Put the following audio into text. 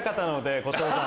後藤さん。